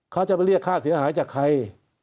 เขาจะไปเรียกค่าเสียหายจากใคร